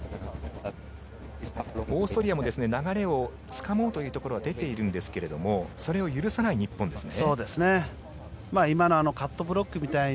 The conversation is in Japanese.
オーストリアも流れをつかもうというところは出ているんですけれどもそれを許さない日本ですね。